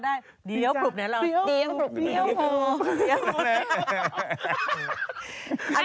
อันนี้ไม่ต้องเปิดวาง